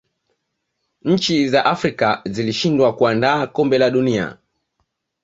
nchi za Afrika zilishindwa kuandaa kombe la dunia